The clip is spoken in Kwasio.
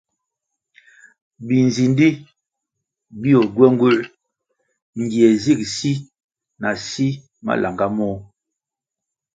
Binzindi bio gywenguer ngie zig si na si malanga môh.